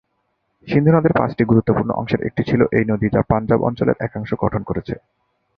সিন্ধু নদের পাঁচটি গুরুত্বপূর্ণ অংশের একটি ছিল এই নদী যা পাঞ্জাব অঞ্চলের একাংশ গঠন করেছে।